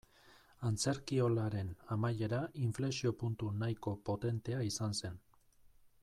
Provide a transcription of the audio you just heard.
Antzerkiolaren amaiera inflexio-puntu nahiko potentea izan zen.